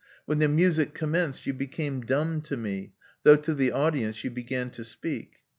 When the music commenced you became dumb to me, though to the audience you began to speak.